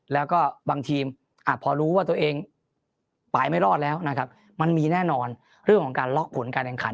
แล้วก็บางทีมพอรู้ว่าตัวเองไปไม่รอดแล้วนะครับมันมีแน่นอนเรื่องของการล็อกผลการแข่งขัน